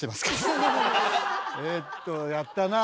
えっとやったなあ。